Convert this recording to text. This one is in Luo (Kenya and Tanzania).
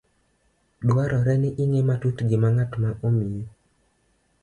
Dwarore ni ing'e matut gima ng'at ma omiyi